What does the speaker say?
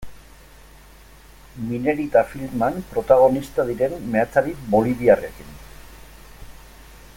Minerita filman protagonista diren meatzari boliviarrekin.